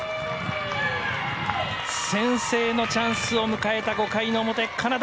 先制のチャンスを迎えた５回の表、カナダ。